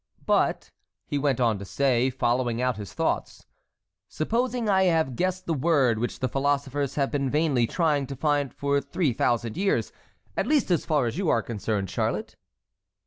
"But," he went on to say, following out his thought, "supposing I have guessed the word which the philosophers have been vainly trying to find for three thousand years—at least as far as you are concerned, Charlotte?"